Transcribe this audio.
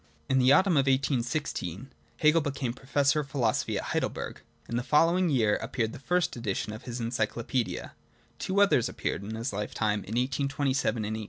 In the autumn of 1816 Hegel became professor of philosophy at Heidelberg. In the following year ap peared the first edition of his Encyclopaedia : two others appeared in his lifetime (in 1827 and 1830).